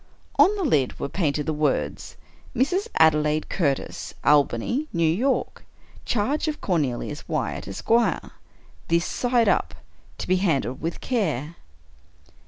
On the lid were painted the words — "Mrs. Adelaide Curtis. Albany, New York. Charge of Cornelius Wyatt, Esq. This side up. To be handled with care."